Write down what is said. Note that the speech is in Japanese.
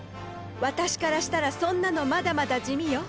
私からしたらそんなのまだまだ地味よ。